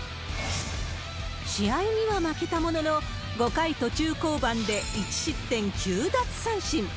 試合には負けたものの、５回途中降板で１失点９奪三振。